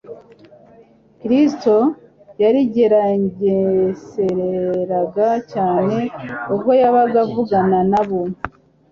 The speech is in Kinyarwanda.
Kristo yarigengeseraga cyane ubwo yabaga avugana na bo